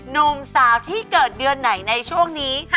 หนุ่มสาวที่เกิดเดือนไหนในช่วงนี้